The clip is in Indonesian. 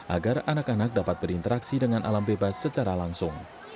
agar anak anak dapat berinteraksi dengan alam bebas secara langsung